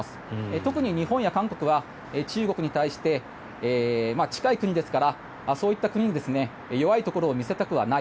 特に日本や韓国は中国に対して近い国ですからそういった国々に弱いところを見せたくはない。